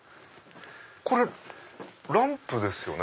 これランプですよね？